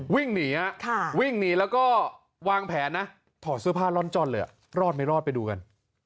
วิ่งหนีวิ่งหนีแล้วก็วางแผนนะถอดเสื้อผ้าร่อนจ้อนเลยรอดไม่รอดไปดูกัน